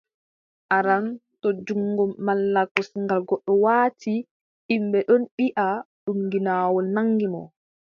Aran, to junngo malla kosngal goɗɗo waati, yimɓe ɗon mbiʼa ɗum ginnawol nanngi mo.